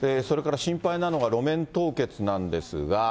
それから心配なのが、路面凍結なんですが。